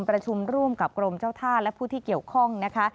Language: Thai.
ประชุมร่วมกับกรมเจ้าท่าและผู้ที่เกี่ยวข้องนะคะ